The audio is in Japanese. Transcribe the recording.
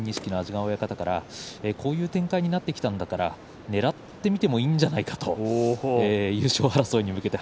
今朝、部屋の安治川親方からこういう展開になってきたんだから粘ってみてもいいんじゃないかと優勝争いに向けて